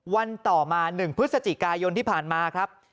วันต่อมา๑พฤศจิกายนที่ผ่านมาครับ